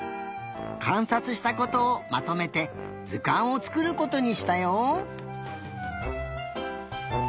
かんさつしたことをまとめてずかんをつくることにしたよ！